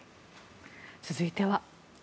続いては。